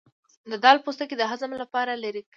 د دال پوستکی د هضم لپاره لرې کړئ